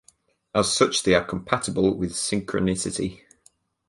As such, they are compatible with synchronicity.